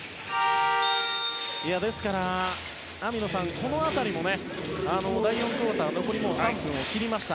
ですから、網野さんこの辺りも第４クオーター残り３分を切りました。